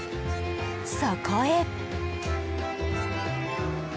そこへ。